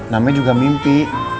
namanya juga mimpi